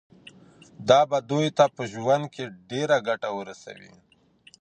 دا به دوی ته په ژوند کي ډیره ګټه ورسوي.